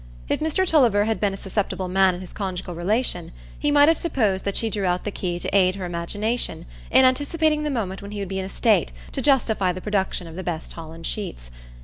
If Mr Tulliver had been a susceptible man in his conjugal relation, he might have supposed that she drew out the key to aid her imagination in anticipating the moment when he would be in a state to justify the production of the best Holland sheets.